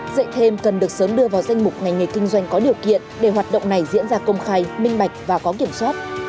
dạy thêm cần được sớm đưa vào danh mục ngành nghề kinh doanh có điều kiện để hoạt động này diễn ra công khai minh bạch và có kiểm soát